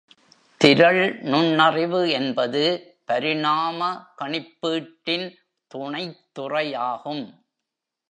திரள் நுண்ணறிவு என்பது பரிணாம கணிப்பீட்டின் துணைத் துறையாகும்.